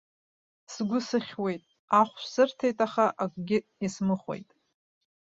Сгәы сыхьуеит, ахәшә сырҭеит, аха акгьы исмыхәеит.